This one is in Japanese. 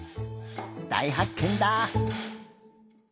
だいはっけんだ！